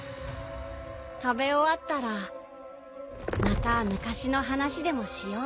食べ終わったらまた昔の話でもしよう。